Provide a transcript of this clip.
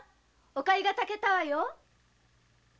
おかゆが炊けたわよ。